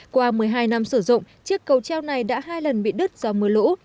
qua một mươi hai năm sử dụng chiếc cầu treo này đã hai lần bị đứt do mưa lũ